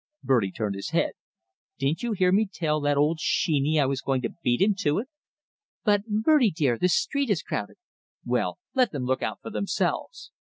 Bertie turned his head. "Didn't you hear me tell that old sheeny I was going to beat him to it?" "But, Bertie dear, this street is crowded!" "Well, let them look out for themselves!"